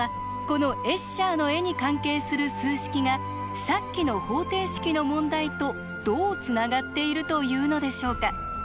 このエッシャーの絵に関係する数式がさっきの方程式の問題とどうつながっているというのでしょうか？